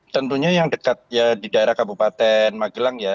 tentunya yang dekat ya di daerah kabupaten magelang ya